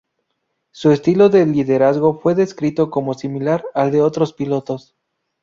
Su estilo de liderazgo fue descrito como similar al de otros pilotos.